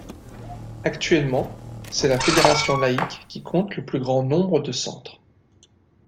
Actuellement, c'est la Fédération Laïque qui compte le plus grand nombre de centres.